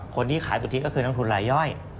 คนที่ขายสุทธิก็คือนักทุนรายย่อย